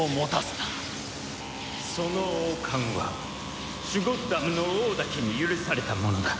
その王冠はシュゴッダムの王だけに許されたものだ。